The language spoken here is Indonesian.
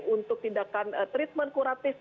untuk tindakan treatment kuratif